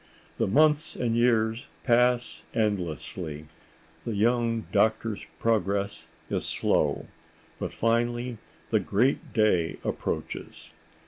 The months and years pass endlessly—a young doctor's progress is slow. But finally the great day approaches.